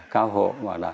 các hộ hoặc là